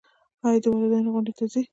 ایا د والدینو غونډې ته ځئ؟